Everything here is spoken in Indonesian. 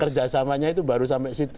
kerjasamanya itu baru sampai situ